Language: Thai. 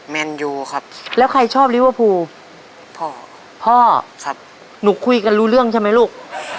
แมนยูครับแล้วใครชอบลิเวอร์พูลพ่อพ่อครับหนูคุยกันรู้เรื่องใช่ไหมลูก